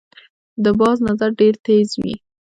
د باز نظر ډیر تېز وي